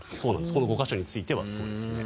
この５か所についてはそうですね。